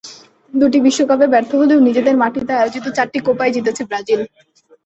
দুটি বিশ্বকাপে ব্যর্থ হলেও নিজেদের মাটিতে আয়োজিত চারটি কোপাই জিতেছে ব্রাজিল।